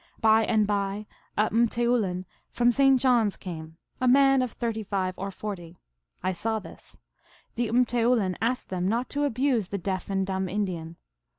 By and by a m teoulin from St. John s came, a man of thirty five or forty. I saw this. The mteoulin asked them not to abuse the deaf and dumb Indian.